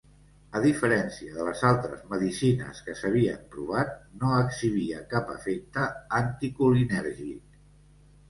A diferència de les altres medicines que s'havien provat, no exhibia cap efecte anticolinèrgic.